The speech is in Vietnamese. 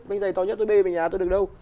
bánh dây to nhất tôi bê về nhà tôi được đâu